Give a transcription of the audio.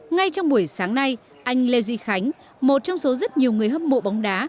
ngay trong buổi sáng nay anh lê duy khánh một trong số rất nhiều người hâm mộ bóng đá